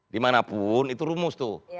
dimana pun itu rumus tuh